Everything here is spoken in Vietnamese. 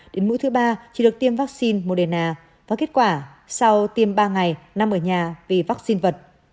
đến mũi thứ ba chỉ được tiêm vaccine moderna và kết quả sau tiêm ba ngày nằm ở nhà vì vaccine vật